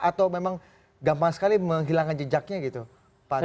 atau memang gampang sekali menghilangkan jejaknya gitu pak